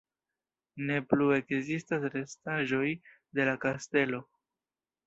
Ne plu ekzistas restaĵoj de la kastelo.